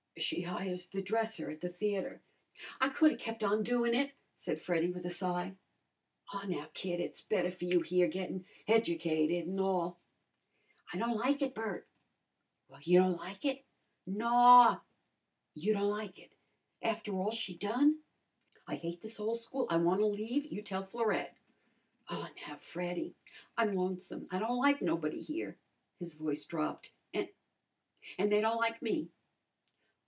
"She hires the dresser at the theatre." "I could 'a' kep' on doin' it," said Freddy, with a sigh. "Aw, now, kid, it's better for you here, gettin' educated an' all." "I don't like it, Bert." "You don't like it?" "Naw." "You don't like it! After all she done!" "I hate this ole school. I wanna leave. You tell Florette." "Aw, now, Freddy " "I'm lonesome. I don't like nobody here." His voice dropped. "An' an' they don't like me."